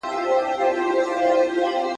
زموږ کلتور غني دئ.